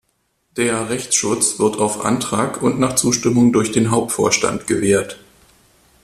Der Rechtsschutz wird auf Antrag und nach Zustimmung durch den Hauptvorstand gewährt.